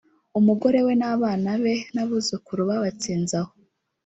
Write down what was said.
umugore we n’abana be n’abuzukuru babatsinze aho